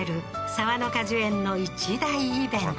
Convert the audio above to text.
沢野果樹園の一大イベント